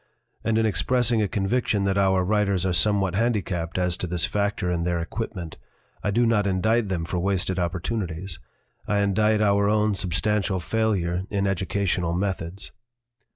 And in expressing a conviction that our writers are some what handicapped as to this factor in their equip LITERATURE IN THE MAKING merit, I do not indict them for wasted opportuni ties; I indict our own substantial failure in edu cational methods.